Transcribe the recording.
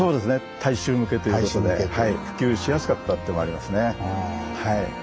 大衆向けということで普及しやすかったというのもありますね。